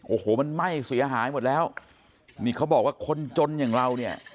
โอ้โหมันไหม้เสียหายหมดแล้วนี่เขาบอกว่าคนจนอย่างเราเนี่ย